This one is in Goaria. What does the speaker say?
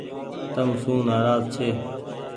تم سون نآراز ڇي۔